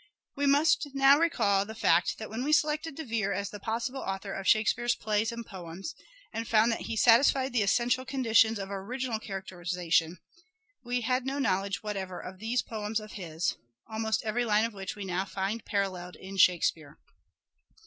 We must now recall the fact that when we selected The poems De Vere as the possible author of Shakespeare's plays enquiry, and poems, and found that he satisfied the essential conditions of our original characterization, we had no knowledge whatever of these poems of his, almost every line of which we now find paralleled in Shake speare.